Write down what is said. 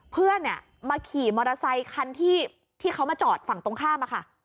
เพื่อนมาขี่มอเตอร์ไซคันที่เขามาจอดฝั่งตรงข้ามอะค่ะ